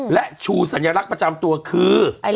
และชูสัญลักษณ์ประจำตัวคือ